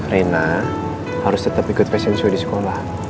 reina harus tetep ikut fashion show di sekolah